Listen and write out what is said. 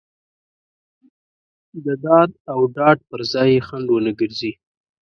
د داد او ډاډ پر ځای یې خنډ ونه ګرځي.